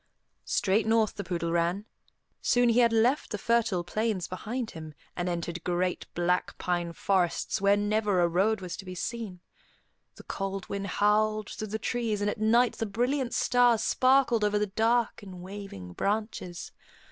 Straight north the poodle ran. Soon he had left the fertile plains behind him, and entered great, black pine forests where never a road was to be seen. The cold wind howled through the trees, and at night the brilliant stars sparkled over the dark and waving branches.